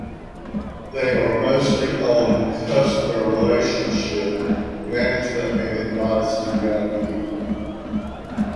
They are mostly on customer relationship management and advice to young people.